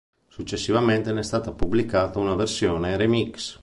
Successivamente ne è stata pubblicata una versione remix.